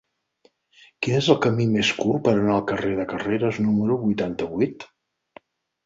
Quin és el camí més curt per anar al carrer de Carreras número vuitanta-vuit?